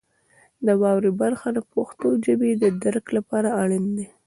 د واورئ برخه د پښتو ژبې د درک لپاره اړین دی.